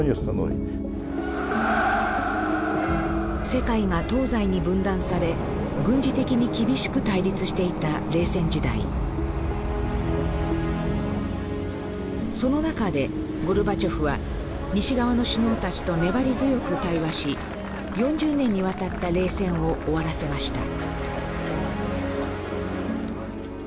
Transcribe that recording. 世界が東西に分断され軍事的に厳しく対立していた冷戦時代その中でゴルバチョフは西側の首脳たちと粘り強く対話し４０年にわたった冷戦を終わらせました